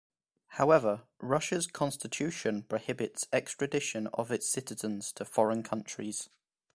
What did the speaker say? However, Russia's Constitution prohibits extradition of its citizens to foreign countries.